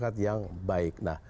masyarakat yang baik